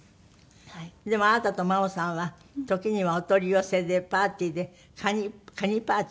でもあなたと真央さんは時にはお取り寄せでパーティーでカニパーティー？